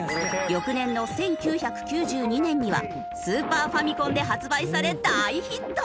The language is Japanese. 翌年の１９９２年にはスーパーファミコンで発売され大ヒット。